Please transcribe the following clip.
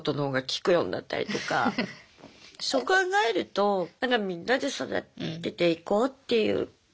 そう考えるとみんなで育てていこうっていうふうに思いますね。